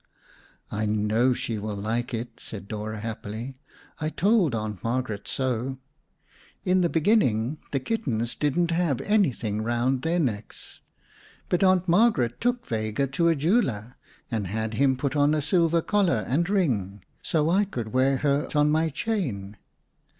"I know she will like it," said Dora happily. "I told Aunt Margaret so. In the beginning the kittens didn't have anything around their necks, but Aunt Margaret took Vega to a jeweler, and had him put on a silver collar and ring, so I could wear her on my chain.